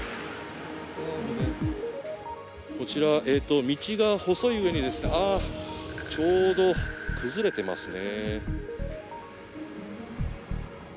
こちら、道が細いうえにちょうど崩れてますね。